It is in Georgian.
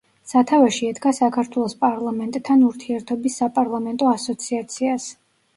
სათავეში ედგა საქართველოს პარლამენტთან ურთიერთობის საპარლამენტო ასოციაციას.